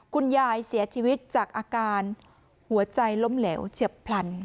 คุณยายเสียชีวิตจากอาการหัวใจล้มเหลวเฉียบพลัน